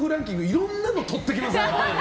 いろんなのとっていきますね。